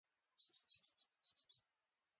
په دېوالونو باندې څو ښکلې روسي نقاشۍ ځوړندې وې